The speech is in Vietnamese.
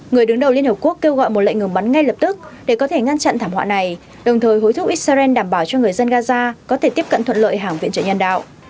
người đứng đầu liên hợp quốc kêu gọi một lệnh ngừng bắn ngay lập tức để có thể ngăn chặn thảm họa này đồng thời hối thúc israel đảm bảo cho người dân gaza có thể tiếp cận thuận lợi hàng viện trợ nhân đạo